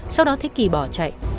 sau đó thấy ki bỏ chạy